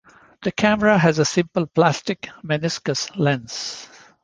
The camera has a simple plastic meniscus lens.